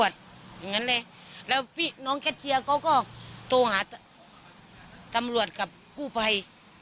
อย่างนั้นเลยแล้วพี่น้องแคทเชียร์เขาก็โทรหาตำรวจกับกู้ภัย